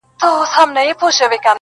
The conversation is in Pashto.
o اوگره په تلوار نه سړېږي٫